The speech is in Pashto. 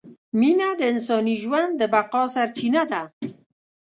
مینه د انساني ژوند د بقاء سرچینه ده!